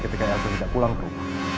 ketika elsa tidak pulang dulu